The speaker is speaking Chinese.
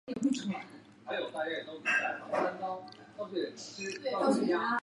雨山区是中国安徽省马鞍山市下辖的区。